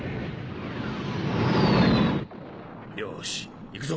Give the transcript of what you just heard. よし行くぞ。